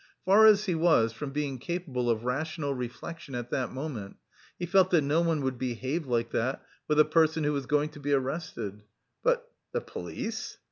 Far as he was from being capable of rational reflection at that moment, he felt that no one would behave like that with a person who was going to be arrested. "But... the police?"